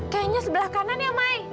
kayaknya sebelah kanan ya mai